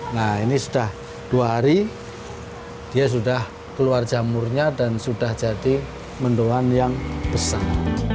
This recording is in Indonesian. nah ini sudah dua hari dia sudah keluar jamurnya dan sudah jadi mendoan yang besar